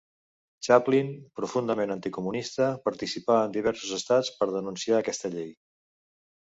Chaplin, profundament anticomunista, participà en diversos estats per denunciar aquesta llei.